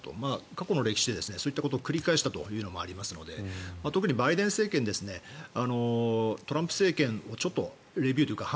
過去の歴史でそういったことを繰り返したというのもありますのでとくにバイデン政権トランプ政権をレビューというか